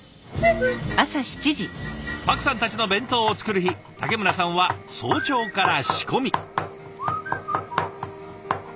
パクさんたちの弁当を作る日竹村さんは早朝から仕込み。